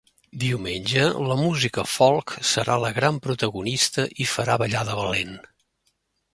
Diumenge, la música folk serà la gran protagonista i farà ballar de valent.